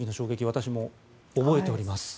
私も覚えております。